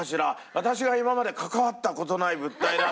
「私が今まで関わった事ない物体だ」って。